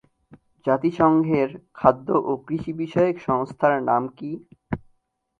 জাতিসংঘের খাদ্য ও কৃষিবিষয়ক সংস্থার নাম কি?